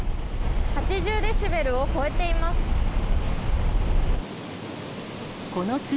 デシベルを超えています。